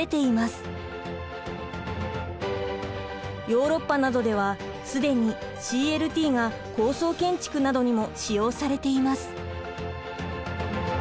ヨーロッパなどでは既にＣＬＴが高層建築などにも使用されています。